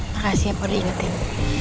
makasih ya pa udah ingetin